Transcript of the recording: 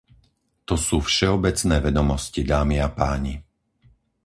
To sú všeobecné vedomosti, dámy a páni!